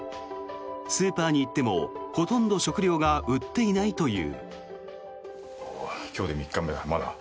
スーパーに行ってもほとんど食料が売っていないという。